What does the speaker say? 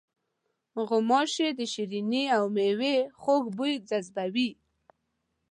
غوماشې د شریني او میوې خوږ بوی جذبوي.